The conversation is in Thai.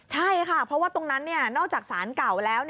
ใช่ค่ะเพราะว่าตรงนั้นนอกจากสารเก่าแล้ว